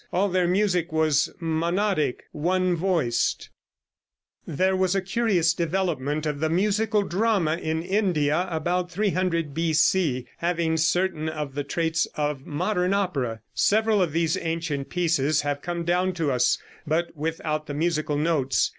All their music was monodic one voiced. [Illustration: Fig. 16.] There was a curious development of the musical drama in India about 300 B.C., having certain of the traits of modern opera. Several of these ancient pieces have come down to us, but without the musical notes.